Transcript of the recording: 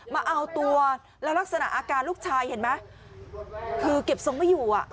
มาเอาตัวแล้วลักษณะอาการลูกชายเห็นไหมคือเก็บทรงไม่อยู่อ่ะ